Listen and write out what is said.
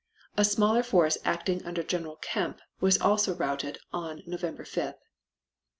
A smaller force acting under General Kemp was also routed on November 5th.